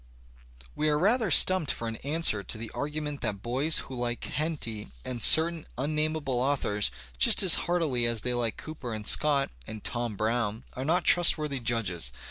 We are rather stumped for an answer to the argument that boys who like Henty and certain unnamable authors just as heartily as they like Cooper and Scott and "Tom Brown" are not trustworthy judges.